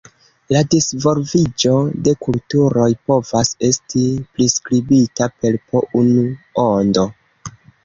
La disvolviĝo de kulturoj povas esti priskribita per po unu ondo.